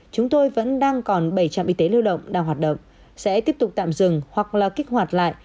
chúng tôi vẫn đang còn bảy trạm y tế lưu động đang hoạt động sẽ tiếp tục tạm dừng hoặc là kích hoạt lại